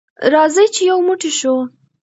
راځئ چې یو موټی شو.